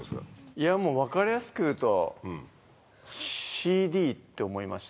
いやもう分かりやすく言うと。って思いました。